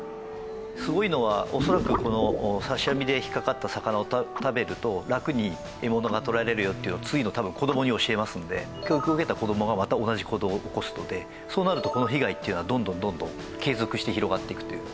すごいのは恐らくこの刺し網で引っかかった魚を食べると楽に獲物がとらえられるよというのを次の多分子どもに教えますので教育を受けた子どもがまた同じ行動を起こすのでそうなるとこの被害っていうのはどんどんどんどん継続して広がっていくという。